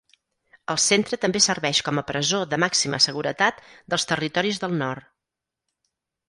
El centre també serveix com a presó de màxima seguretat dels Territoris del Nord.